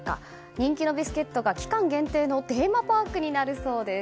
人気のビスケットが期間限定のテーマパークになるそうです。